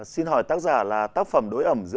xin hỏi tác giả là tác phẩm đối ẩm